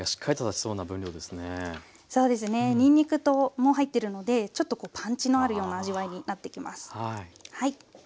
そうですねにんにくも入ってるのでちょっとこうパンチのあるような味わいになってきます。